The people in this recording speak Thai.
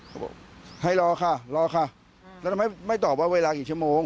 เขาบอกให้รอค่ะรอค่ะแล้วทำไมไม่ตอบว่าเวลากี่ชั่วโมง